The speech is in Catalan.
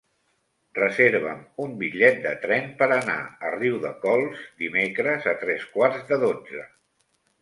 Reserva'm un bitllet de tren per anar a Riudecols dimecres a tres quarts de dotze.